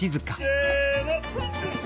せの！